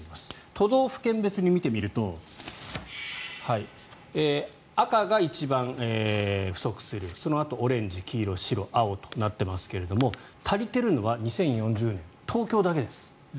都道府県別に見てみると赤が一番不足するそのあとオレンジ、黄色白、青となってますが足りているのは２０４０年、東京だけです。